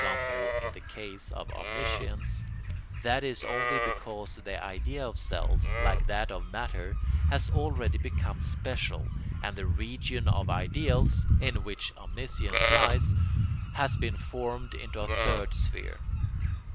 _, in the case of omniscience), that is only because the idea of self, like that of matter, has already become special and the region of ideals (in which omniscience lies) has been formed into a third sphere.